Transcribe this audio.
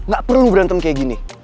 gak perlu berantem kayak gini